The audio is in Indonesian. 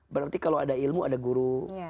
berarti kalau ada ilmu ada guru